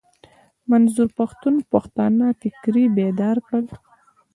منظور پښتون پښتانه فکري بيدار کړل.